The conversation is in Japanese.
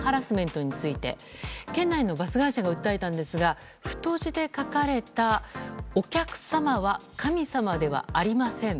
県内のバス会社が訴えたんですが太字で書かれた「お客様は神様ではありません」。